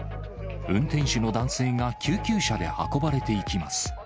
運転手の男性が救急車で運ばれていきます。